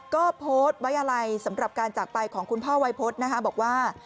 ก็โพสต์ไว้อะไรสำหรับการจากไปของคุณพ่อวัยพฤษนะคะบอกว่า